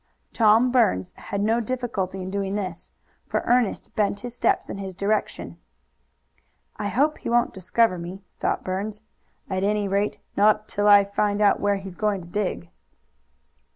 Tom Burns had no difficulty in doing this, for Ernest bent his steps in his direction. "I hope he won't discover me," thought Burns; "at any rate not till I find out where he's going to dig."